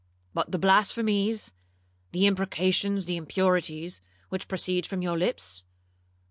'—'But the blasphemies, the imprecations, the impurities, which proceed from your lips?'